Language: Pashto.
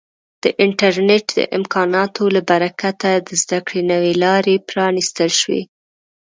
د انټرنیټ د امکاناتو له برکته د زده کړې نوې لارې پرانیستل شوي.